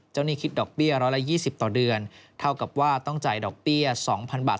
หนี้คิดดอกเบี้ย๑๒๐ต่อเดือนเท่ากับว่าต้องจ่ายดอกเบี้ย๒๐๐บาท